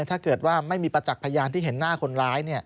ถ้าเกิดว่าไม่มีประจักษ์พยานที่เห็นหน้าคนร้าย